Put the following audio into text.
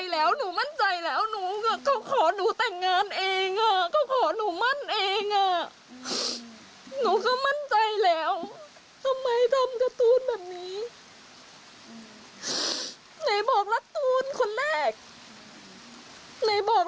แล้วมั่นใจแล้วนะครับ